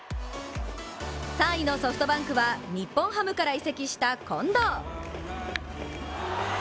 ３位のソフトバンクは日本ハムから移籍した近藤。